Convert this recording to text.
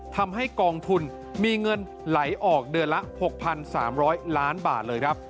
ทำให้กองทุนมีเงินไหลออกเดือนละ๖๓๐๐ล้านบาทเลยครับ